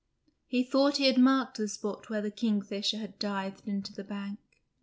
He thought he had marked the spot where the kingfisher had dived into the bank.